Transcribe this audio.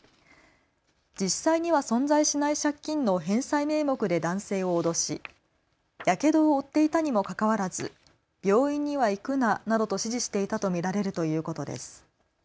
実際には存在しない借金の返済名目で男性を脅しやけどを負っていたにもかかわらず病院には行くななどと指示していたと見られるということです。